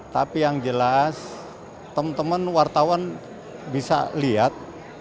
tapi yang jelas teman teman wartawan bisa lihat